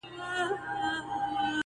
o دا دي کټ دا دي پوزى، دا دي پوله دا پټى٫